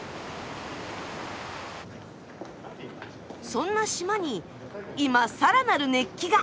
そんな島に今更なる熱気が！